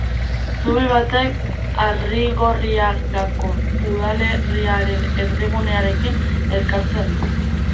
Zubi batek Arrigorriagako udalerriaren erdigunearekin elkartzen du.